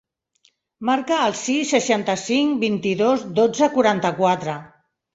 Marca el sis, seixanta-cinc, vint-i-dos, dotze, quaranta-quatre.